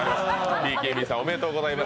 ＢＫＢさんおめでとうございます。